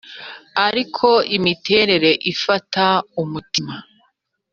ariko imiterere ifata umutima.